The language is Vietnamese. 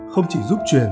không chỉ giúp chuyển